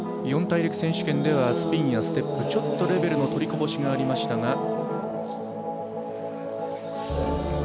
四大陸選手権ではスピンやステップでちょっとレベルのとりこぼしがありましたが。